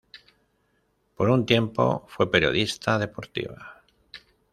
Por un tiempo fue periodista deportiva.